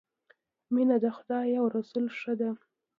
مینه د خدای او رسول ښه ده